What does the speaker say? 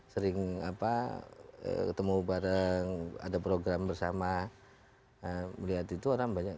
sering apa ketemu bareng ada program bersama melihat itu orang banyak